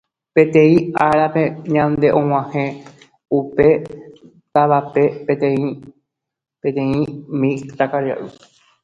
Peteĩ ára ndaje og̃uahẽ upe távape peteĩ mitãkaria'y